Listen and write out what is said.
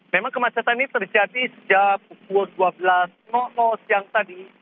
memang kemacetan ini terjadi sejak pukul dua belas siang tadi